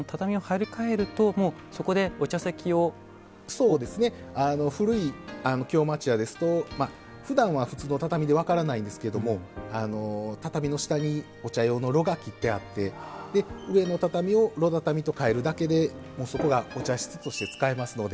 そうですね古い京町屋ですとふだんは普通の畳で分からないんですけども畳の下にお茶用の炉が切ってあって上の畳を炉畳と替えるだけでもうそこがお茶室として使えますので。